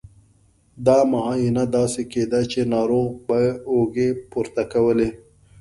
دا معاینه داسې کېده چې ناروغ به اوږې پورته کولې.